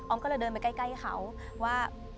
ก็เลยเดินไปใกล้เขาว่า